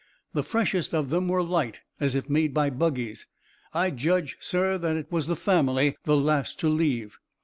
The freshest of them were light, as if made by buggies. I judge, sir, that it was the family, the last to leave."